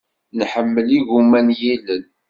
Nḥemmel igumma n yilel.